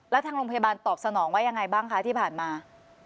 แล้วทางโรงพยาบาลตอบสนองว่ายังไงบ้างคะที่ผ่านมา